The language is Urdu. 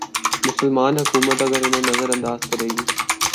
مسلماںحکومت اگر انہیں نظر انداز کرے گی۔